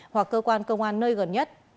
hoặc cơ quan công an nơi gần nhất